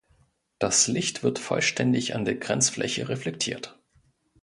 Das Licht wird vollständig an der Grenzfläche reflektiert.